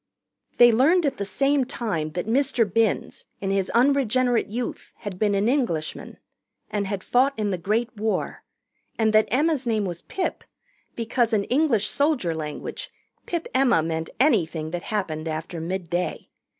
They learned at the same time that Mr. Binns, in his unregenerate youth, had been an Englishman and had fought in the Great War and that Emma's name was Pip because in English soldier language Pip Emma meant anything that happened after midday.